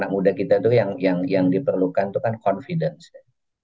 muda kita tuh yang diperlukan tuh kan confidence